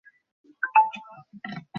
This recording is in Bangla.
তোমাকে বলেছি না, অ্যারন?